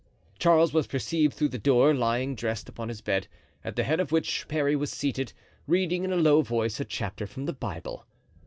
Charles was perceived through the door, lying dressed upon his bed, at the head of which Parry was seated, reading in a low voice a chapter from the Bible.